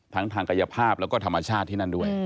ทางกายภาพแล้วก็ธรรมชาติที่นั่นด้วย